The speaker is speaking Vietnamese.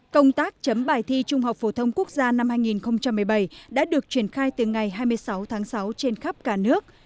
công tác chấm bài thi trung học phổ thông quốc gia năm hai nghìn một mươi bảy đã được triển khai từ ngày hai mươi sáu tháng sáu trên khắp cả nước